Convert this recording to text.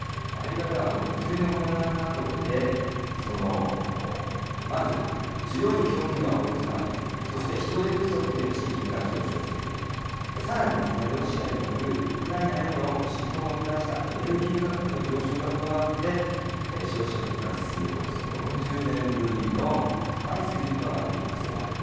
アメリカでは物流の混乱などで、まず需要に供給が追いつかないということ、そして人手不足で賃金が上昇していること、さらに、ロシアによるウクライナへの侵攻がもたらしたエネルギー価格の上昇が加わって、消費者物価指数、およそ４０年ぶりの高い水準となっています。